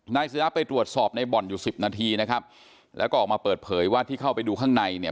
ศิราไปตรวจสอบในบ่อนอยู่สิบนาทีนะครับแล้วก็ออกมาเปิดเผยว่าที่เข้าไปดูข้างในเนี่ย